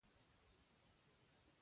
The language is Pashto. رسۍ له چرخونو څخه تیره کړئ.